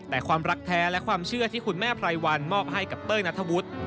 แต่ความรักแท้และความเชื่อที่คุณแม่ไพรวันมอบให้กับเต้ยนัทวุฒิ